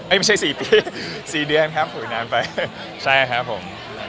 ไม่ใช่๔ปี๔เดือนครับปุ๋ยนานไปใช่ครับผม